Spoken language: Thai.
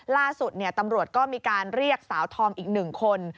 ล่าสุดตำรวจก็มีการเรียกสาวธอมอีก๑คน